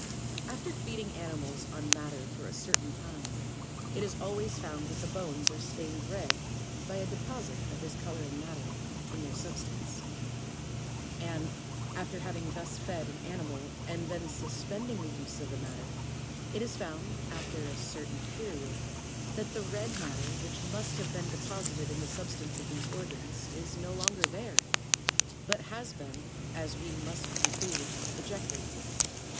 10. After feeding animals on madder for a certain time, it is always found that the bones are stained red by a deposite of this coloring matter in their substance ; and after having thus fed an animal, and then suspending the use of the madder, it is found, after a certain period, that the red matter which must have been deposited in the substance of these organs, is no longer there, but has been, as we must conclude, ejected.